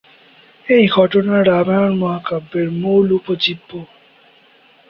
এই ঘটনা রামায়ণ মহাকাব্যের মূল উপজীব্য।